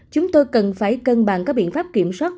chúng tôi cần phải cân bằng các biện pháp kiểm soát